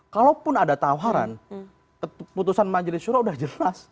keputusan majelis syurah sudah jelas